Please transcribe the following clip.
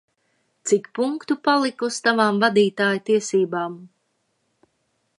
Cik punktu palika uz tavām vadītāja tiesībām?